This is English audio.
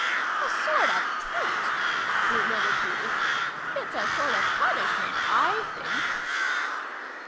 "A sort of treat !" Bruno repeated. " It's a sort of punishment, I think